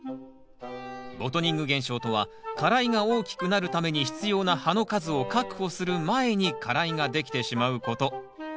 ボトニング現象とは花蕾が大きくなるために必要な葉の数を確保する前に花蕾ができてしまうこと。